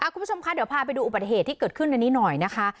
คุณผู้ชมคะเดี๋ยวพาไปดูอุบัติเหตุที่เกิดขึ้นในนี้หน่อยนะคะ